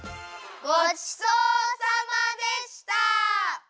ごちそうさまでした！